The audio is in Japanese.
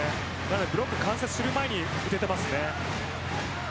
ブロックが完成する前に受けています。